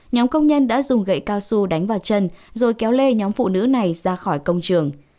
nhóm công nhân đã dùng gậy cao su đánh vào chân rồi kéo lê nhóm phụ nữ này ra khỏi công trường